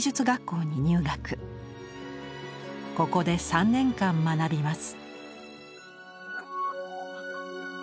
ここで３年間学びます。